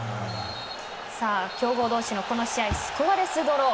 さあ強豪同士のこの試合スコアレスドロー。